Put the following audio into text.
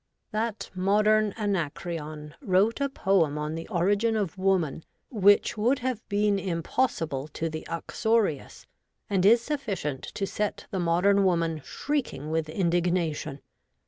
That modern Anacreon wrote a poem on the origin of woman which would have been im possible to the uxorious, and is sufficient to set the Modern Woman shrieking with indignation.